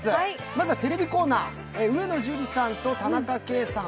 まずはテレビコーナー、上野樹里さんと田中圭さん。